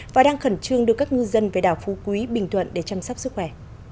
và đang khẩn trương đưa các ngư dân về đảo phú quý bình thuận để chăm sóc sức khỏe